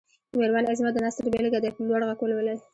د مېرمن عظمت د نثر بېلګه دې په لوړ غږ ولولي.